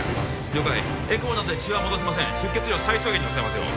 了解ＥＣＭＯなんで血は戻せません出血量最小限に抑えますよ